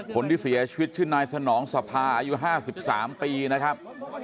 คนที่เสียชีวิตชื่อนายสนองสภาอายุ๕๓ปีนะครับ